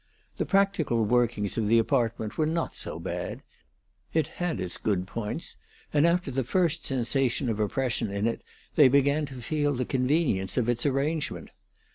The practical workings of the apartment were not so bad; it had its good points, and after the first sensation of oppression in it they began to feel the convenience of its arrangement.